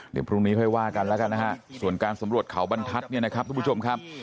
เดี๋ยวพรุ่งนี้ค่อยว่ากันแล้วกันนะฮะส่วนการสำรวจเขาบรรทัศน์เนี่ยนะครับทุกผู้ชมครับ